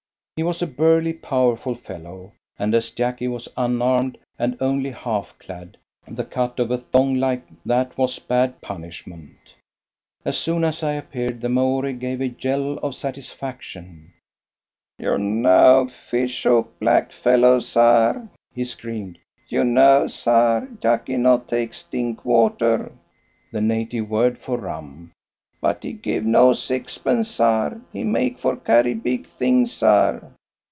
He was a burly, powerful fellow, and, as Jacky was unarmed and only half clad, the cut of a thong like that was bad punishment. As soon as I appeared the Maori gave a yell of satisfaction. "You know Fishook, black fellow, sar?" he screamed. "You know, sar, Jacky not take stink water (the native word for rum), but he give no sixpence, sar; he make for carry big thing, sar."